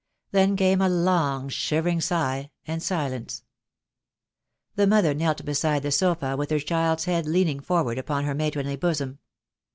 Then came a long shivering sigh and silence. The mother knelt beside the sofa with her child's head leaning forward upon her matronly bosom.